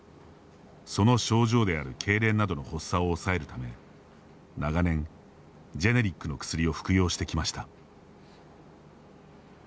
その症状であるけいれんなどの発作を抑えるため長年、ジェネリックの薬を服用してきました。